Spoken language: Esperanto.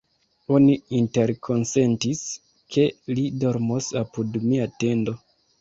Oni interkonsentis, ke li dormos apud mia tendo.